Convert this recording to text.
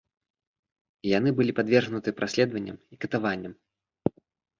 І яны былі падвергнуты праследаванням і катаванням.